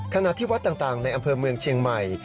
ขณะที่วัดต่างในอำเภอเมืองเชียงใหม่